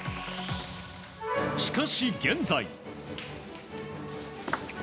しかし、現在。